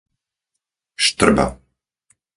Štrba